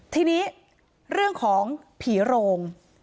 ทีนี้เรื่องของผีโรง